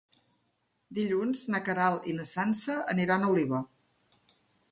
Dilluns na Queralt i na Sança aniran a Oliva.